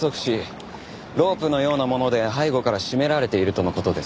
ロープのようなもので背後から絞められているとの事です。